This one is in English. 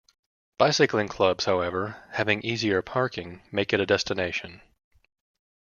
Bicycling clubs, however, having easier parking, make it a destination.